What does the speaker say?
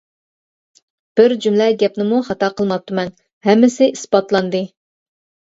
بىر جۈملە گەپنىمۇ خاتا قىلماپتىمەن، ھەممىسى ئىسپاتلاندى.